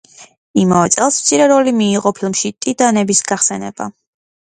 იმავე წელს მცირე როლი მიიღო ფილმში „ტიტანების გახსენება“.